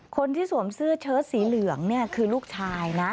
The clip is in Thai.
คนที่สวมซื้อเชิ้ตสีเหลืองนี่คือลูกชายนะ